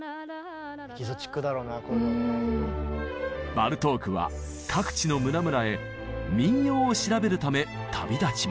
バルトークは各地の村々へ民謡を調べるため旅立ちます。